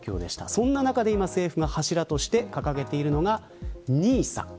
そんな中で政府が柱として掲げているのがＮＩＳＡ。